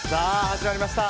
始まりました。